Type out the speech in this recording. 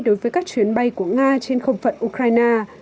đối với các chuyến bay của nga trên không phận ukraine